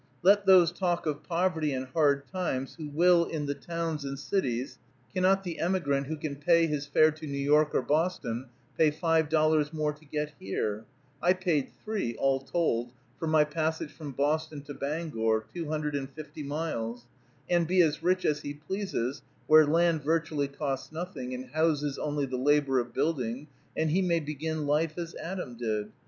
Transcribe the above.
Let those talk of poverty and hard times who will in the towns and cities; cannot the emigrant who can pay his fare to New York or Boston pay five dollars more to get here, I paid three, all told, for my passage from Boston to Bangor, two hundred and fifty miles, and be as rich as he pleases, where land virtually costs nothing, and houses only the labor of building, and he may begin life as Adam did?